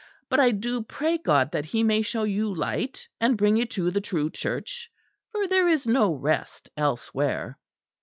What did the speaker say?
But I do pray God that He may show you light and bring you to the true Church; for there is no rest elsewhere."